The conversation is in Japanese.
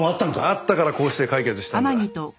あったからこうして解決したんだ。